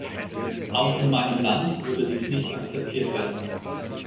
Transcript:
Auch in meinem Land würde dies nicht akzeptiert werden.